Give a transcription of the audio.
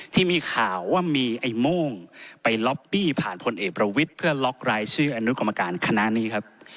ที่มีข่าวว่ามีไอ้โม่งไปล็อบบี้ผ่านพลเอกประวิทย์เพื่อล็อกรายชื่ออนุกรรมการคณะนี้ครับ